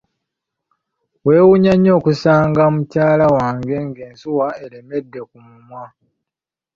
Yewuunya nnyo okusanga mukyala we nga ensuwa eremedde ku mumwa.